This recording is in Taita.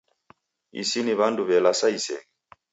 Isi ni w'andu w'e lasa iseghe